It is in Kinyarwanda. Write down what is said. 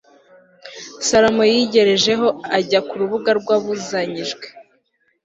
salomo yigerejeho ajya ku rubuga rwabuzanyijwe